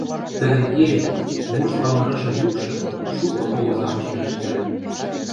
тӹдӹн ире, вурсла мырышы юкшы шукы кого залышты рӹшкӓлтӹн.